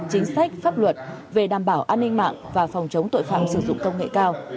chính sách pháp luật về đảm bảo an ninh mạng và phòng chống tội phạm sử dụng công nghệ cao